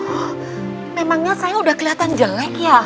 oh memangnya saya udah kelihatan jelek ya